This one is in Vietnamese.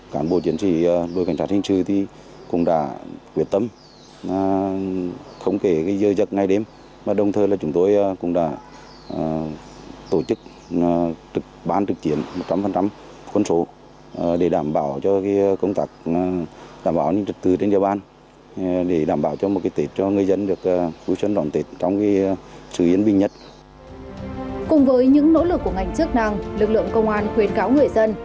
cùng với những nỗ lực của ngành chức năng lực lượng công an khuyến cáo người dân